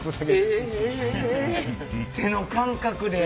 手の感覚で。